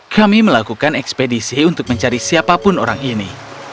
kami melakukan ekspedisi untuk mencari siapapun orang ini